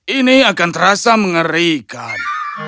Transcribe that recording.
ini akan terasa mengerikan